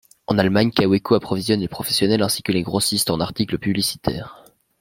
En Allemagne, Kaweco approvisionne les professionnels ainsi que les grossistes en articles publicitaires.